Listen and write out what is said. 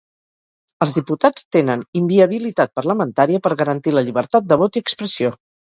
Els diputats tenen inviabilitat parlamentària per garantir la llibertat de vot i expressió.